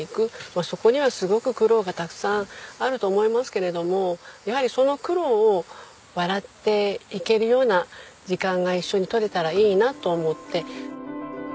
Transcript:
そこにはすごく苦労がたくさんあると思いますけれどもやはりその苦労を笑っていけるような時間が一緒に取れたらいいなと思って。